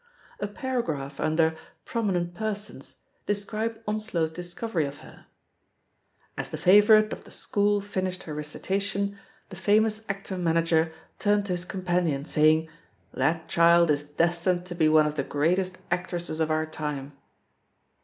A paragraph, imder "Promi nent Persons," described Onslow's discovery of JHE POSITION OF PEGGY HARPEB «OT her — ^As the favourite of the school finished her recitation, the famous actor manager turned to his companion^ saying, 'That child is destined to be one of the greatest actresses of our time.